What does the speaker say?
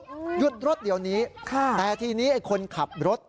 หยุดรถเดี๋ยวนี้ค่ะแต่ทีนี้ไอ้คนขับรถ